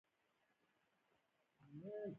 په دې ډله کې غلۀ او لاره وهونکي شامل وو.